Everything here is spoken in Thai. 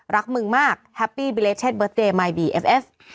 รักมึงมากแฮปปี้บิเลเชสเตอร์เดย์มายบีเอฟเอฟ